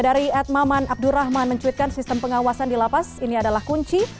dari ad maman abdurrahman mencuitkan sistem pengawasan di lapas ini adalah kunci